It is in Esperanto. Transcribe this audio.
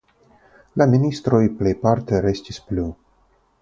La ministroj plejparte restis plu.